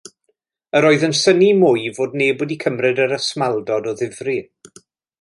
Yr oedd yn synnu mwy fod neb wedi cymryd yr ysmaldod o ddifrif.